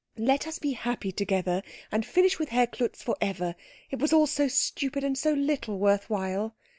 Let us be happy together, and finish with Herr Klutz for ever it was all so stupid, and so little worth while."